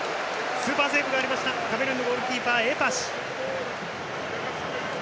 スーパーセーブがありましたカメルーンのゴールキーパーエパシ。